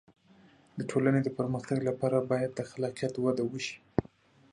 د ټولنې د پرمختګ لپاره باید د خلاقیت وده وشي.